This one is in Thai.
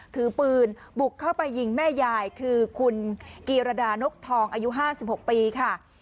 ถือปืนบุกเข้าไปยิงแม่ยายคือคุณกีรดานกทองอายุ๕๖ปีค่ะ